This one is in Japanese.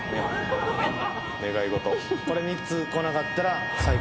「これ３つこなかったら最高」